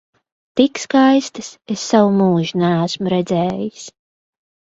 Tik skaistas es savu mūžu neesmu redzējis!